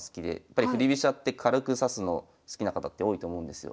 振り飛車って軽く指すの好きな方って多いと思うんですよ。